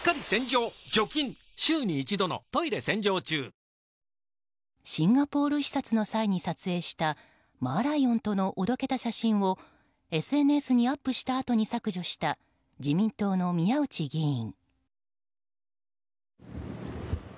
三井アウトレットパーク三井不動産グループシンガポール視察の際に撮影したマーライオンとのおどけた写真をＳＮＳにアップしたあとに削除した自民党の宮内議員。